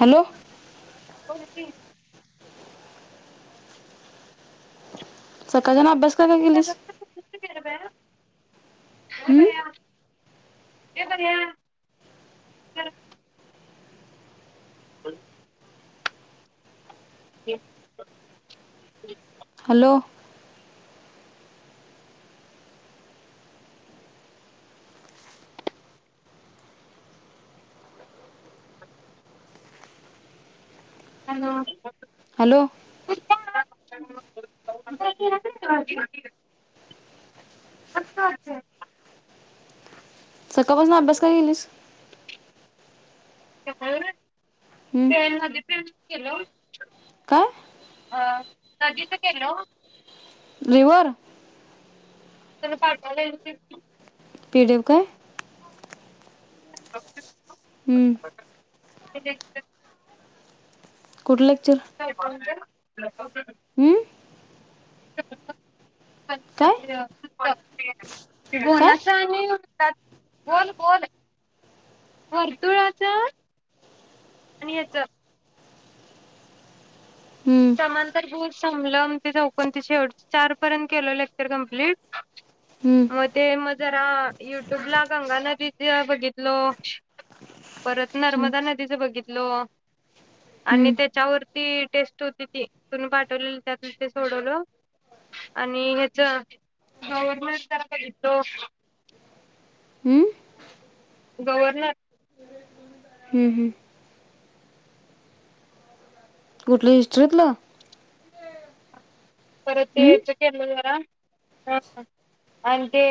Hello [inaudible] बोल की सकाळ च्याण अभ्यास का ग गेलीस? ये बया ये बया [unintelligible] [unintelligible] हे [unintelligible] हॅलो हॅलो! हॅलो [unintelligible] सकाळपासून अभ्यास काय केलीस? हम्म काय [unintelligible] लिव्हर त्यानं पाठवलय रिपीट तू ती देवू काय [unintelligible] हं डिटेक्टिव कुठलं लेक्चर काय बोलल्या हम्म काय काय बोनाचा आणि गोल गोल वर्तुळाच आणि याच हम्म समांतर बूर समलंब ते चौकणती शेवटच चार पर्यंत केलं लेक्चर कम्प्लीट हम्म मग ते मग जरा युट्यूब ला गंगा नदीच बघितलो परत हम्म नर्मदा नदीच बघितलो. आणि हम्म त्याच्यावर ती टेस्ट तो तुम्ही तुम्ही पाठवले त्यात ते सोडवल आणि ह्याच गव्हर्नर सारखं तो हम्म गव्हर्नर हम्म हम्म कुठलं हिस्ट्रीतलं? परत ते हम्म हेच केल जरा हां आणि ते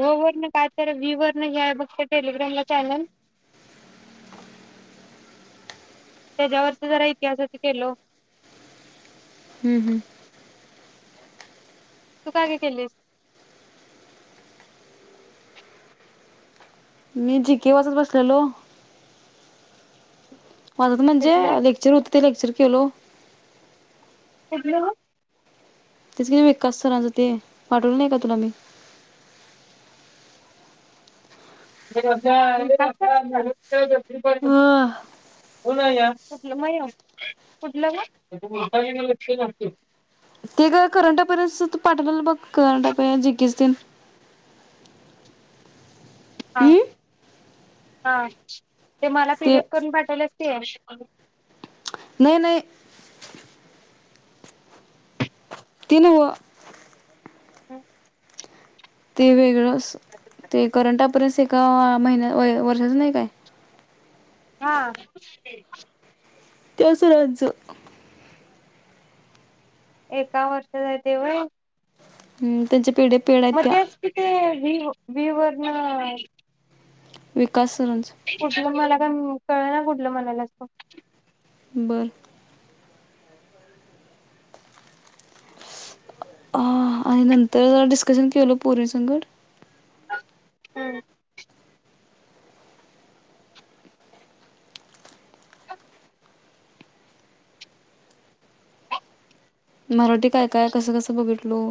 व वर न काय तर व्हि वर न हे आहे बग ते टेलिग्रामला चॅनल त्याच्यावरच जरा इतिहासाच केलो. हम्म हम्म तू काय काय केलीस मी जीके वाचत बसलेलो माझं म्हणजे कुठलं लेक्चर होतं. ते लेक्चर केलो. कुठलं ग तेच नव्हे विकास सरांचं ते पाठवलं नाही का तुला मी अ [unintelligible] ते ग करंट अफेरन्स तू पाठवलेलं बघ करंट अफेयर्स जीके च तें हा हम्म हां, ते मला पीडीएफ करून पाठवल्यास ते नाही नाही ती न्हवं हो ते वेगळं ते करंट अप्परेन्स आहे कितवा महिना वय वर्षाच नाही काय हां कस रहायचं? एका वर्षाचय ते व्हय हम्म त्यांच्यात मग तेच कि ते वी, वी वरनं विकास सरांच कुठलं मला पण कळना कुठलं म्हणाल्यास तु? बर आ आयनन तर जला डिस्कशन केलं पोरीसंगट. हम्म मराठी काय, काय कसं, कसं बघितलो.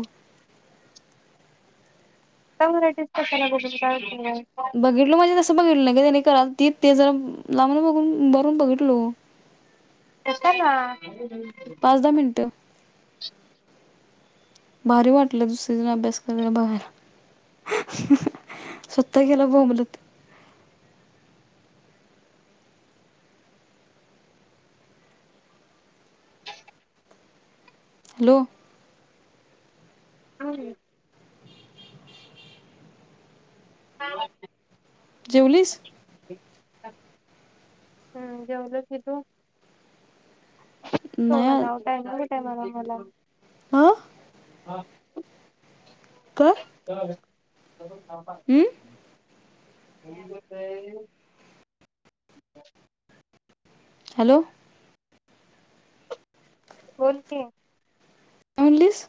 एका व्हरायटीचं कशाला बघुन काय उपयोग आहे. बघितलो म्हणजे तस तु बघितलं नाही गं त्यानी करालतीत ते जरा लांब बघुन उभारुन बघितलो. कशाला? पाच दहा मिनिटं भारी वाटलं दुसरी जणं अभ्यास करताना बघायला. स्वतः गेला बोंबलत. हॅलो हं, हं व्यवस्थित जेवलीस हम्म जेवलो की. तू? [unintelligible] नाही काय ग बाई. ते मला, मला. ह हा. काय? अं कोण बोलतय? हॅलो बोल की. काय म्हनलीस?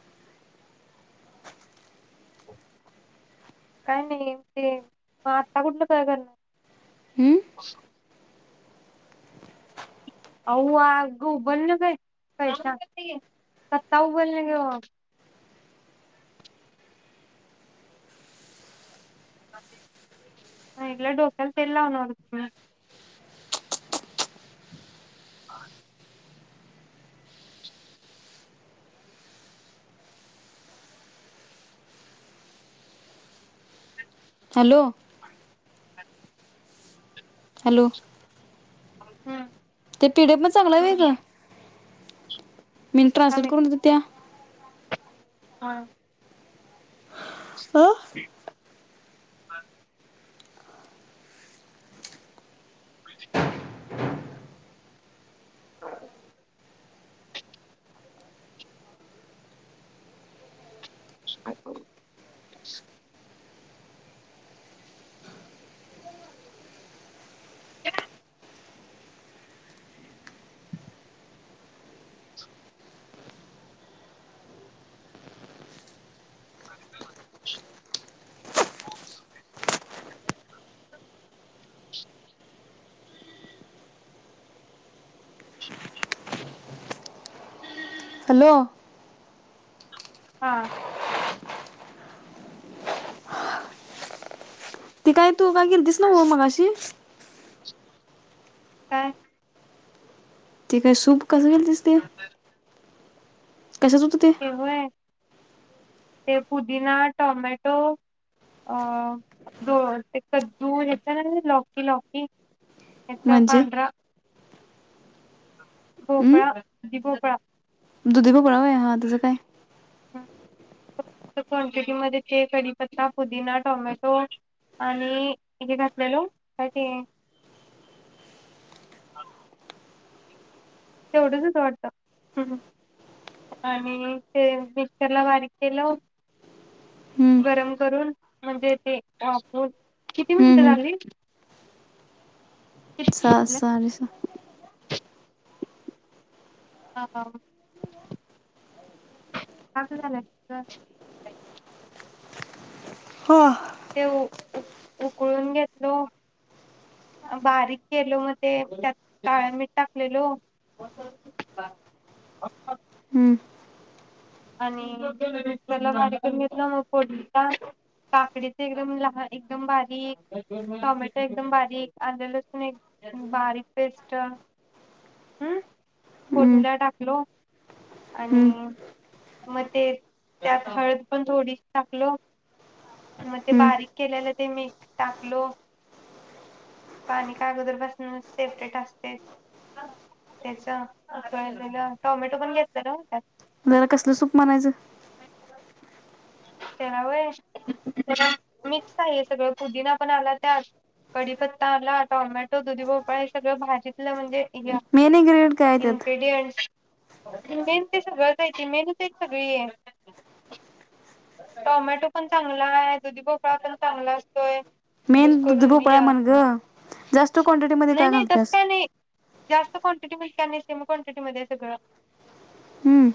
काय नाही ते, मग आता कुठलं काय करणार आहे? अं? अव्वा आगो उबलले का पैसा कत्ता उबललोय ग. माझ्या डोक्याला तेल लावणार होतीस ना? हॅलो हॅलो हम्म ते पिडिएफ पण चांगला आहे होय हम्म गं? मी थांब ट्रांसलेट एक करून दित्या. हा अ [inaudible] [inaudible] हा. काय करु? [inaudible] [inaudible] हॅलो हा. ते काय तू काय गेलतीस न्हव मगाशी? काय? ते काय सूप कसं केलतीस ते? कशाच होतं ते? ते पुदीना, टोमॅटो अ ते कद्दू हेेत ना लॉकी, लॉकी [inaudible] म्हणजे पांढरा हम्म भोपळा दुधी भोपळा दुधी भोपळा होय, हा तेचं काय? क्वांटिटीमध्ये ते कडीपत्ता, पुदिना, टॉमॅटो आणि हे घातलेलो काय ते? तेवढच होत वाटत हं आणि ते मिक्सरला बारीक केलं हम्म गरम करून म्हणजे ते वाफवुन. किती हम्म मिनिटं हम्म लागली? सहा साडेसहा हा, हा घालायच [unintelligible] हो उ उकळून घेतलो, बारीक केलो मग ते त्यात काळं मीठ टाकलेलो. [inaudible] हम्म आणि मिक्सरला बारीक करून घेतला, मग आणि फोडणीला काकडीच एकदम लहान एकदम बारीक, टोमॅटो एकदम बारीक, आल लसुण एकदम बारीक पेस्ट हम हम्म फोडणीला टाकलो आणि हम्म मग ते त्यात हळद पण थोडीशी टाकलो. मग ते हम्म बारीक केलेल ते मी टाकलो. पाणी काय अगोदरपासून सेपरेट असतेच त्याच [inaudible] टोमॅटो पण घेतलंल हा त्यात. त्याला कसलं सूप म्हणायचं? त्याला होय? त्याला मिक्स आहे हे सगळ पुुदीना पण आला त्यात, कढीपत्ता आला टोमॅटो, दुधी भोपळा हे सगळं भाजीतलं म्हणजे इ मेन इन्ग्रेडियंट काय त्यात इंग्रेडियंटस मेन ते सगळं हाय की, मेनच हायत सगळी. टोमॅटो पण चांगला आहे, दुधीपोपळा पण चांगला असतोय. ज्युस मेन दुधी करून [inaudible] भोपळा म्हण ग जास्त क्वांटिटीमध्ये नाही, काय नाही तस घालत्यास काय नाही जास्त कोण [unintelligible] कॉन्टिटीमध्ये आहे सगळ [inaudible] हम्म,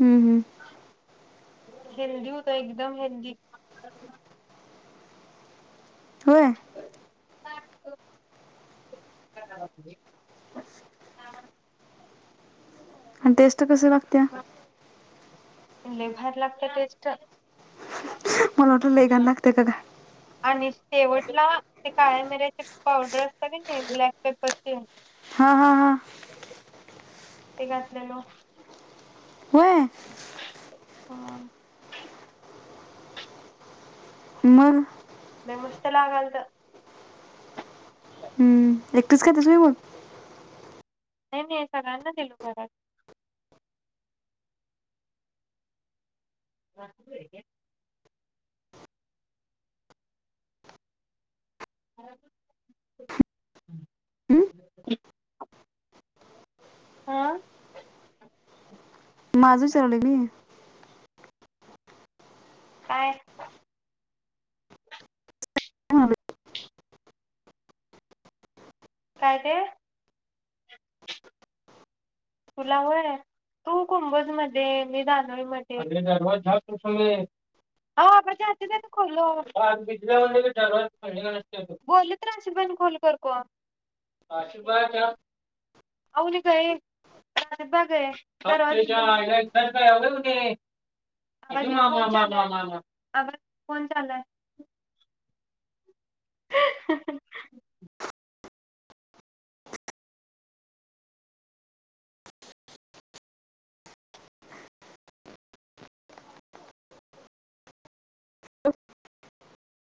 हम्म, हम्म. हेल्दी होतय, एकदम हेल्दी. होय आणि [inaudible] आणि टेस्ट कसं लाग आगत्या [inaudible] लय भारी लागतिया पेस्ट मला वाटंल लय घाण लागत्या का काय? आणि शेवटला ते काळ्या मिर्याचे पावडर असत का नाही ब्लॅक पेपरची हा हा हा हे घातलेल होय हा मग लय मस्त लागालत. हम्म, एकटीच खातीस व्हय मग नाय नाय सगळ्यांना दिलो घरात वा [inaudible] अम हम्म? [inaudible] हा माझ चाल मी काय काय ते तुला होय तू कुंभोज मध्ये मी दानोळी मध्ये [inaudible] बघ ब कोण चालाय [inaudible] [unintelligible] स [inaudible]